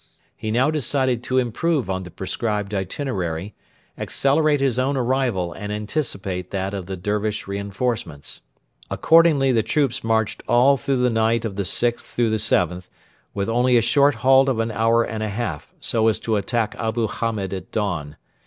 He now decided to improve on the prescribed itinerary, accelerate his own arrival and anticipate that of the Dervish reinforcements. Accordingly the troops marched all through the night of the 6 7th with only a short halt of an hour and a half, so as to attack Abu Hamed at dawn.